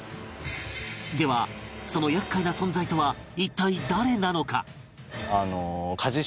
ではその厄介な存在とは一体誰なのか？